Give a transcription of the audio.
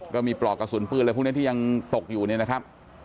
ปลอกกระสุนปืนอะไรพวกนี้ที่ยังตกอยู่เนี่ยนะครับ